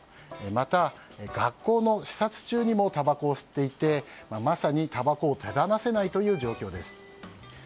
また、学校の視察中にもたばこを吸っていてまさに、たばこを手放せないという状況です。